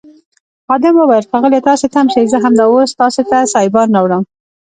خادم وویل ښاغلیه تاسي تم شئ زه همدا اوس تاسي ته سایبان راوړم.